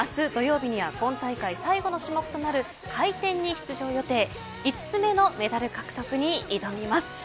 明日、土曜日には今大会最後の種目となる回転に出場予定で５つ目のメダル獲得に挑みます。